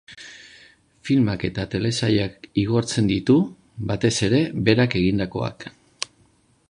Filmak eta telesailak igortzen ditu, batez ere, berak egindakoak.